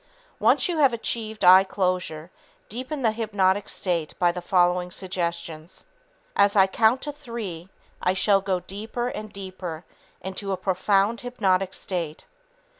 Once you have achieved eye closure, deepen the hypnotic state by the following suggestions: "As I count to three, I shall go deeper and deeper into a profound, hypnotic state.